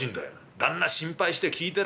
旦那心配して聞いてるよ。